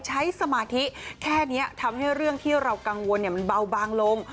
สมาธิแค่นี้ทำให้เรื่องที่เรากังวลมันเบาบางลง